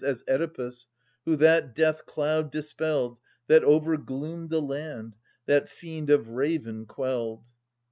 As Oedipus, who that death cloud dispelled That overgloomed the land, that fiend of ravin quelled